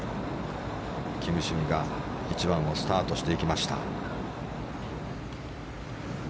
キム・シウが１番をスタートしていきました。